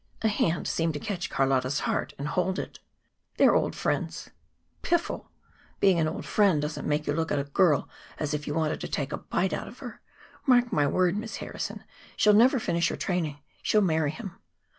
A hand seemed to catch Carlotta's heart and hold it. "They're old friends." "Piffle! Being an old friend doesn't make you look at a girl as if you wanted to take a bite out of her. Mark my word, Miss Harrison, she'll never finish her training; she'll marry him.